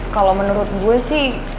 kalau menurut gue sih